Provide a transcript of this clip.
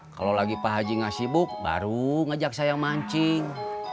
kalau lagi pak haji gak sibuk baru ngajak saya mancing